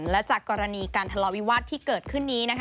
และจากกรณีการทะเลาวิวาสที่เกิดขึ้นนี้นะคะ